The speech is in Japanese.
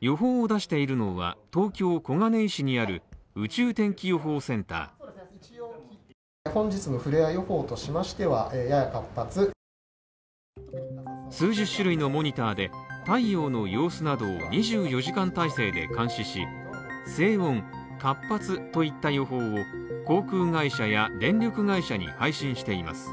予報を出しているのは、東京・小金井市にある宇宙天気予報センター数十種類のモニターで太陽の様子などを２４時間体制で監視し静穏活発といった要望を航空会社や電力会社に配信しています。